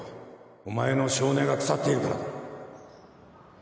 お前の性根が腐っているからだ